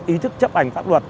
ý thức chấp ảnh pháp luật